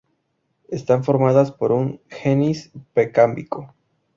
Están formadas por un gneis precámbrico.